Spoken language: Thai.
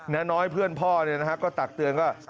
แนน้อยเพื่อนพ่อเนี่ยนะฮะก็ตักเตือนก็